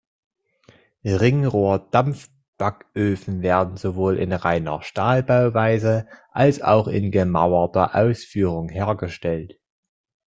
Ringrohr-Dampfbacköfen werden sowohl in reiner Stahlbauweise als auch in gemauerter Ausführung hergestellt.